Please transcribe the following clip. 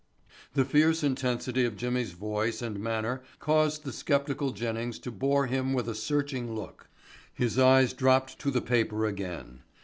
The fierce intensity of Jimmy's voice and manner caused the skeptical Jennings to bore him with a searching look. His eyes dropped to the paper again.